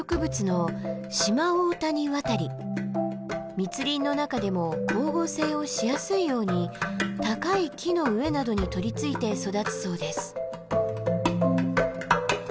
密林の中でも光合成をしやすいように高い木の上などに取りついて育つそうです。